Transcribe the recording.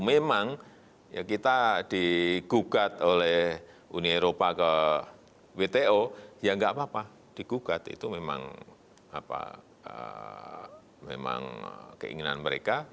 memang ya kita digugat oleh uni eropa ke wto ya nggak apa apa digugat itu memang keinginan mereka